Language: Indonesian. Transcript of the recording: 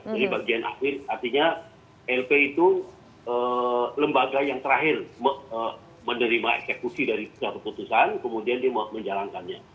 jadi bagian akhir artinya lp itu lembaga yang terakhir menerima eksekusi dari keputusan kemudian menjalankannya